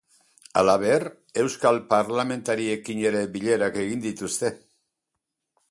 Halaber, euskal parlamentariekin ere bilerak egingo dituzte.